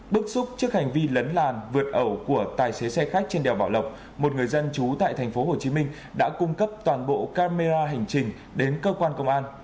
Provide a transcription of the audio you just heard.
bước xúc trước hành vi lấn làn vượt ẩu của tài xế xe khách trên đèo bảo lộc một người dân chú tại thành phố hồ chí minh đã cung cấp toàn bộ camera hành trình đến cơ quan công an